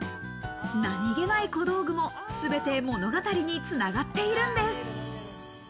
何気ない小道具も、すべて物語に繋がっているんです。